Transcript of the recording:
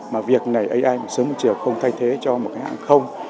mà việc này ai một sớm một chiều không thay thế cho một cái hãng không